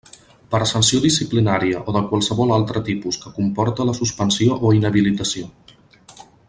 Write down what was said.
Per sanció disciplinària o de qualsevol altre tipus que comporte la suspensió o inhabilitació.